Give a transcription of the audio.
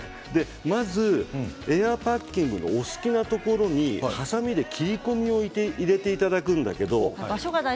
エアパッキンにお好きなところにはさみで切り込みを入れていただくんだけど。